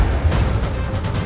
aku mau makan